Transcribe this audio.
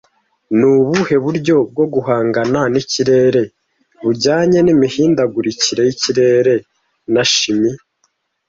Ni ubuhe buryo bwo guhangana n'ikirere bujyanye n'imihindagurikire y'ikirere na shimi